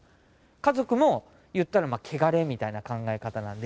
家族も言ったらケガレみたいな考え方なんで。